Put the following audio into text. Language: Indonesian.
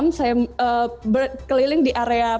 kemudian saya berjalan jalan sekitar pukul tujuh malam